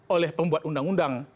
oleh pembuat undang undang